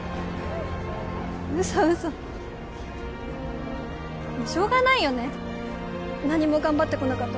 嘘嘘まっしょうがないよね何も頑張ってこなかった